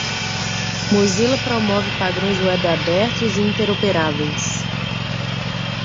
Mozilla promove padrões web abertos e interoperáveis.